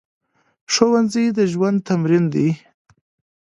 ښوونځی د ژوند تمرین دی